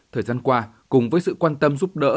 thời gian qua cùng với sự quan tâm giúp đỡ